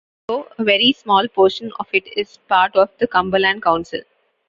Though a very small portion of it is part of the Cumberland Council.